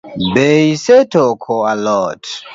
Be isetoko alot?